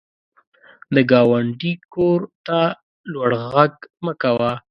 د ګاونډي کور ته لوړ غږ مه کوه